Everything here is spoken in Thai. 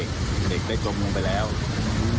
สอบก็รีบวิ่งไปกำลังคอวิ่งไปครับ